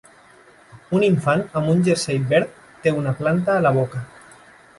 Un infant amb un jersei verd té una planta a la boca.